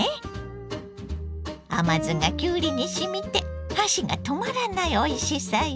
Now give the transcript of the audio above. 甘酢がきゅうりにしみて箸が止まらないおいしさよ。